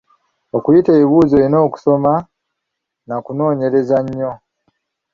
Okuyita ebibuuzo olina kusoma n’akunoonyereza nnyo.